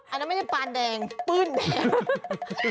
อันนั้นไม่ใช่ปานแดงปื้นแดง